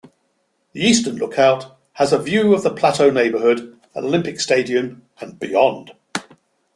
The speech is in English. The eastern lookout has a view of The Plateau neighbourhood, Olympic Stadium and beyond.